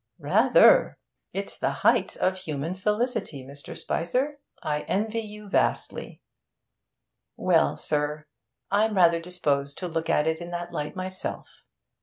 'Rather! It's the height of human felicity, Mr. Spicer. I envy you vastly.' 'Well, sir, I'm rather disposed to look at it in that light myself.